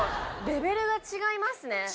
レベルが違いますね。